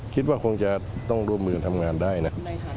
คิดว่าคงจะต้องร่วมมือทำงานได้นะ